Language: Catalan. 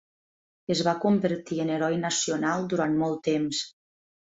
Es va convertir en heroi nacional durant molt temps.